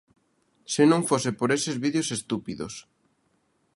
Se non fose por eses vídeos estúpidos